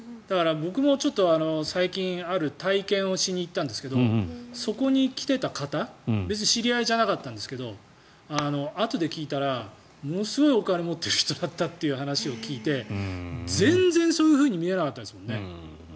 僕も最近、ある体験をしに行ったんですけどそこに来ていた方別に知り合いじゃなかったんですけどあとで聞いたらものすごいお金持っている人だったと聞いて全然そういうふうに見えなかったですもんね。